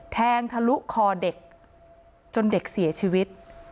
ทะลุคอเด็กจนเด็กเสียชีวิต